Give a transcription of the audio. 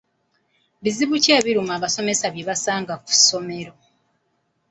Bizibu ki ebimu abasomesa bye basanga ku ssomero?